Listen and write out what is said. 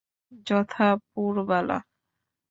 যথা– পুরবালা।